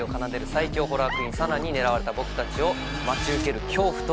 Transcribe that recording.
最狂ホラークイーンさなに狙われた僕たちを待ち受ける恐怖とは？